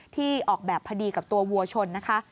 ที่ออกแบบพอดีกับตัววัวชนนะคะ